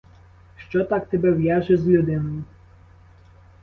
Що так тебе в'яже з людиною?